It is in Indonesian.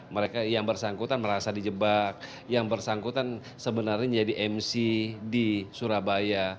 mereka yang bersangkutan merasa dijebak yang bersangkutan sebenarnya menjadi mc di surabaya